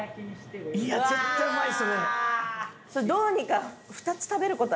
どうにか。